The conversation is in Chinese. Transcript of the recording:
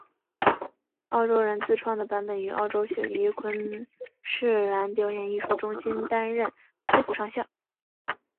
澳洲人自创的版本于澳洲雪梨昆士兰表演艺术中心担任崔普上校。